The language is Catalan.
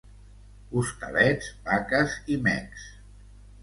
Hostalets, vaques i mecs.